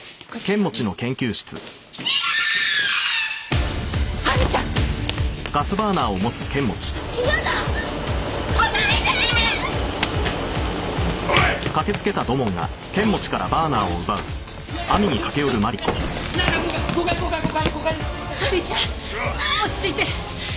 落ち着いて！